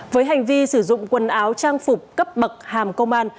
với hành vi sử dụng quần áo trang phục cấp bậc hàm công an